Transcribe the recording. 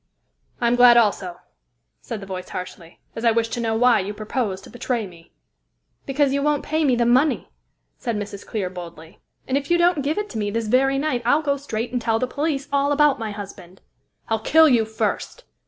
"I am glad, also," said the voice harshly, "as I wish to know why you propose to betray me." "Because you won't pay me the money," said Mrs. Clear boldly. "And if you don't give it to me this very night I'll go straight and tell the police all about my husband." "I'll kill you first!"